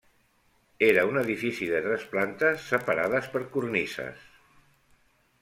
Era un edifici de tres plantes separades per cornises.